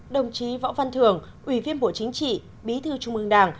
đồng chí võ văn thường ủy viên bộ chính trị bí thư trung ương đảng